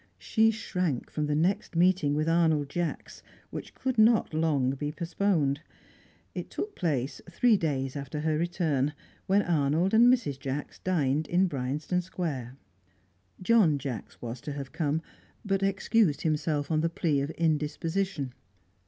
She shrank from the next meeting with Arnold Jacks, which could not long be postponed. It took place three days after her return, when Arnold and Mrs. Jacks dined in Bryanston Square. John Jacks was to have come, but excused himself on the plea of indisposition.